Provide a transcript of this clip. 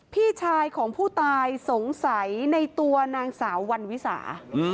พี่ชายของผู้ตายสงสัยในตัวนางสาววันวิสา